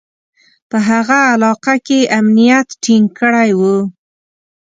په هغه علاقه کې یې امنیت ټینګ کړی و.